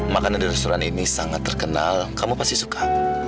makanan di restoran ini sangat terkenal kamu pasti suka